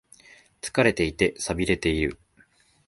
疲れていて、寂れている。